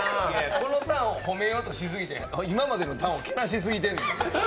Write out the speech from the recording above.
このタンを褒めようとしすぎて今までのタンをけなしすぎてんねん。